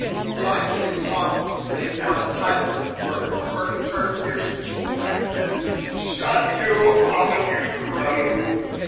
Finding it impossible to make out a title to the bird, Kirby turned fiercely to the black and said: "Shut your oven, you crow!